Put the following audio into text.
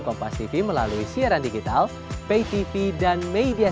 kompastv independen tak percaya